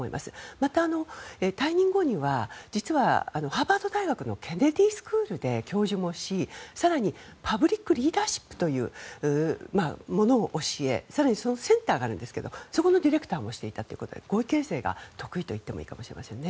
また、退任後にはハーバード大学のケネディスクールで教授もしパブリックリーダーシップというものを教え更にそのセンターがあるんですけどそこのディレクターもしていたということで合意形成が得意といっていいかもしれないですね。